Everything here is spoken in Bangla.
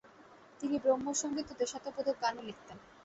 তিনি ব্রহ্মসংগীত ও দেশাত্মোবোধক গানও লিখতেন।